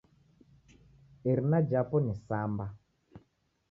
Irina jhapo ni Samba.